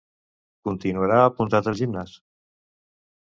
Continuarà apuntat al gimnàs?